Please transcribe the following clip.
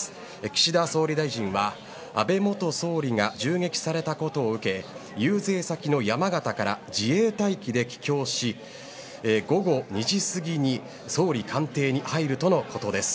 岸田総理大臣は、安倍元総理が銃撃されたことを受け遊説先の山形から自衛隊機で帰京し午後２時過ぎに総理官邸に入るとのことです。